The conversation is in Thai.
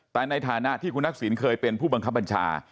แต่ในฐานะที่คุณทักษิณเคยเป็นผู้บังคับบัญชา